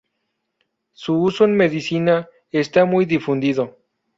Su uso en medicina está muy difundido.